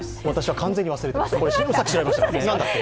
私は完全に忘れていました。